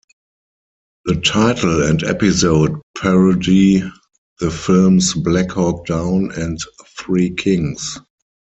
The title and episode parody the films "Black Hawk Down" and "Three Kings".